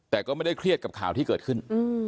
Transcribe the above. แต่ก็ไม่ได้เครียดกับข่าวที่เกิดขึ้น